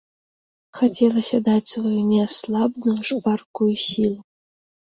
Хацелася даць сваю неаслабную шпаркую сілу.